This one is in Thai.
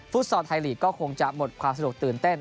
ฟอร์ไทยลีกก็คงจะหมดความสะดวกตื่นเต้น